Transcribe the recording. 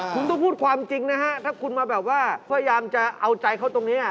คุณต้องพูดความจริงนะฮะถ้าคุณมาแบบว่าพยายามจะเอาใจเขาตรงนี้